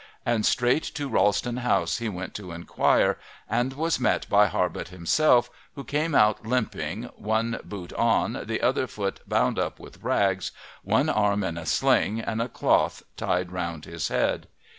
and straight to Rollston House he went to inquire, and was met by Harbutt himself, who came out limping, one boot on, the other foot bound up with rags, one arm in a sling and a cloth tied round his head.